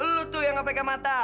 lo tuh yang nggak pakai mata